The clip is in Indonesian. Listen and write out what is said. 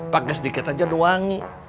pakai sedikit aja ada wangi